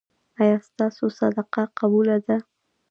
ایا ستاسو صدقه قبوله ده؟